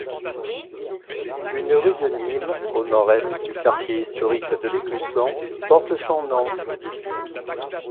Un rue de Nîmes, au nord-est du quartier historique de l'Écusson, porte son nom.